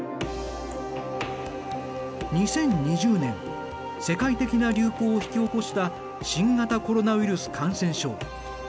２０２０年世界的な流行を引き起こした新型コロナウイルス感染症。